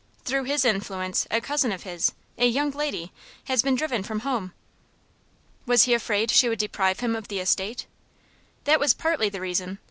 Through his influence a cousin of his, a young lady, has been driven from home." "Was he afraid she would deprive him of the estate?" "That was partly the reason.